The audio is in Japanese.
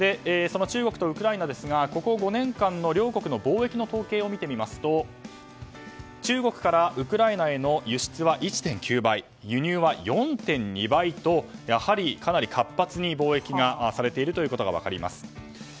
その中国とウクライナですがここ５年間の貿易の統計を見てみますと中国からウクライナへの輸出は１．９倍輸入は４．２倍とやはり、かなり活発に貿易がされていることが分かります。